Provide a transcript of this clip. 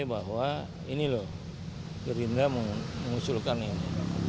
bahwa ini loh gerindra mengusulkan ini